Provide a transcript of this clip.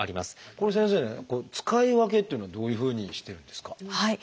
これ先生ね使い分けっていうのはどういうふうにしてるんですか？